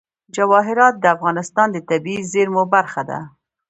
جواهرات د افغانستان د طبیعي زیرمو برخه ده.